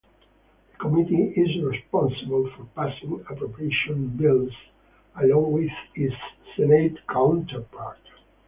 The committee is responsible for passing appropriation bills along with its Senate counterpart.